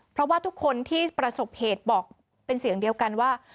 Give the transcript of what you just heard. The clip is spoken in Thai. เพราะว่าทุกคนที่ประสบเหตุบอกเป็นเสียงเดียวกันว่า